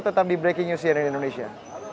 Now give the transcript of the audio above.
tetap di breaking news cnn indonesia